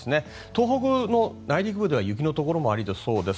東北の内陸部では雪のところもありそうです。